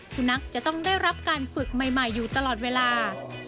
สุนัขจะต้องได้รับการฝึกใหม่อยู่ตลอดเวลา